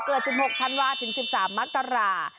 เกิด๑๖๐๐๐วาทถึง๑๓มักตรา